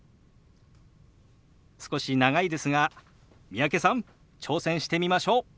少し長いですが三宅さん挑戦してみましょう。